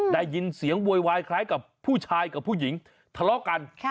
ได้ยินเสียงโวยวายคล้ายกับผู้ชายกับผู้หญิงทะเลาะกัน